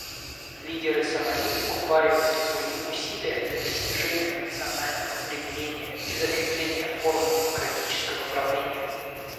Лидеры Сомали удваивают свои усилия для достижения национального примирения и закрепления форм демократического правления.